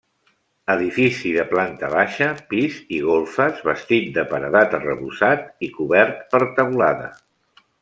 Edifici de planta baixa, pis i golfes, bastit de paredat arrebossat i cobert per teulada.